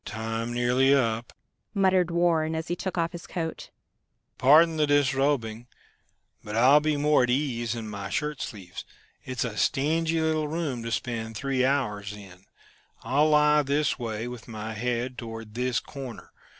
"Time nearly up," muttered Warren, as he took off his coat. "Pardon the disrobing but I'll be more at ease in my shirt sleeves. It's a stingy little room to spend three hours in. I'll lie this way, with my head toward this corner.